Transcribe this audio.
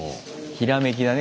ひらめきだね